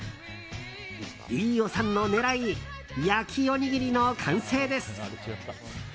飯尾さんの狙い焼きおにぎりの完成です。